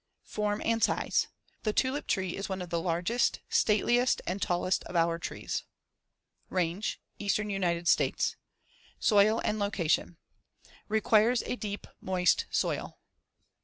] Form and size: The tulip tree is one of the largest, stateliest and tallest of our trees. Range: Eastern United States. Soil and location: Requires a deep, moist soil.